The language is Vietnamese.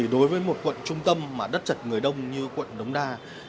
đối với một quận trung tâm mà đất trật người đông như quận đống đa